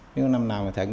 nếu năm nào mà thịnh